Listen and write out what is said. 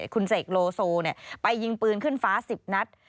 คุณเสกโลโซไปยิงปืนขึ้นฟ้า๑๐นัด